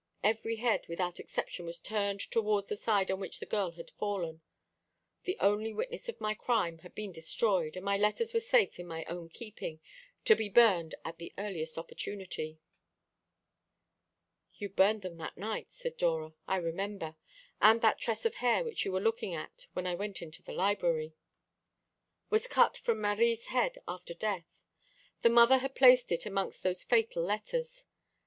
Every head without exception was turned towards the side on which the girl had fallen. The only witness of my crime had been destroyed, and my letters were safe in my own keeping, to be burned at the earliest opportunity." "You burned them that night," said Dora. "I remember. And that tress of hair which you were looking at when I went into the library " "Was cut from Marie's head after death. The mother had placed it amongst those fatal letters.